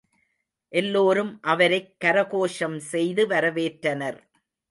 எல்லோரும் அவரைக் கரகோஷம் செய்து வரவேற்றனர்.